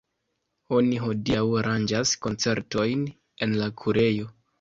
Oni hodiaŭ aranĝas koncertojn en la kurejo.